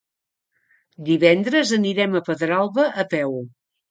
Divendres anirem a Pedralba a peu.